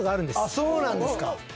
そうなんですか。